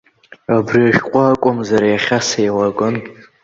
Абри ашәҟәы акәымзар, иахьа сеилагон.